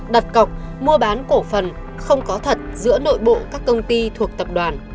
đặt cọc mua bán cổ phần không có thật giữa nội bộ các công ty thuộc tập đoàn